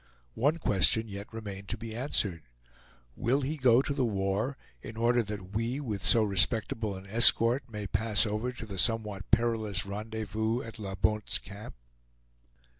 One question yet remained to be answered: "Will he go to the war, in order that we, with so respectable an escort, may pass over to the somewhat perilous rendezvous at La Bonte's Camp?"